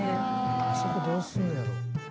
あそこどうすんのやろ？